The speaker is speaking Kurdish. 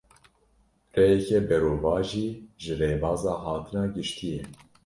Rêyeke berovajî ji rêbaza hatina giştî ye.